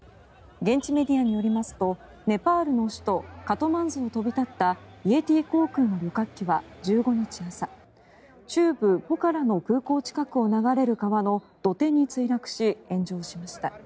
現地メディアによりますとネパールの首都カトマンズを飛び立ったイエティ航空の旅客機は１５日朝中部ポカラの空港近くを流れる川の土手に墜落し、炎上しました。